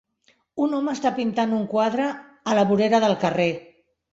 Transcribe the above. Un home està pintant un quadre a la vorera del carrer.